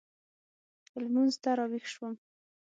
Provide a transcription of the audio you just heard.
لمونځ ته راوېښ شوم.